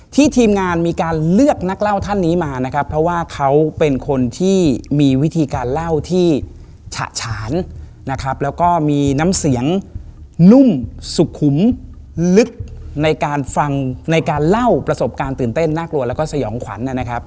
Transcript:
ที่ทีมงานมีการเลือกนักเล่าท่านนี้มาเพราะว่าเขาเป็นคนที่มีวิธีการเล่าที่ฉะฉาญและมีน้ำเสียงนุ่มสุขุมลึกในการเล่าประสบการณ์ตื่นเต้นนักลัวและสยองขวัญ